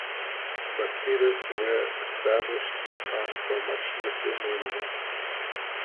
Bastides were established in France for much the same reason.